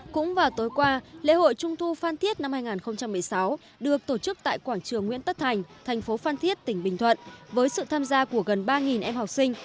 cũng vào tối qua lễ hội trung thu phan thiết năm hai nghìn một mươi sáu được tổ chức tại quảng trường nguyễn tất thành thành phố phan thiết tỉnh bình thuận với sự tham gia của gần ba em học sinh